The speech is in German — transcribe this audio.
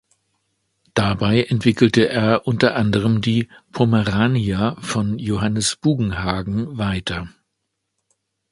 Dabei entwickelte er unter anderem die Pomerania von Johannes Bugenhagen weiter.